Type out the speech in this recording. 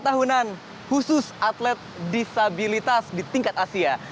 tahunan khusus atlet disabilitas di tingkat asia